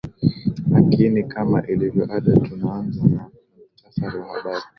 akini kama ilivyo ada tunanza na muhtasari wa habari